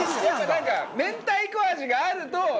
なんか明太子味があると。